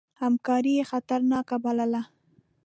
همکاري یې خطرناکه بلله.